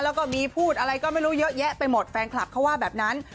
แล้วก็มีพูดอะไรก็ไม่รู้เยอะแยะไปหมดแฟนคลับเขาว่าแบบนั้น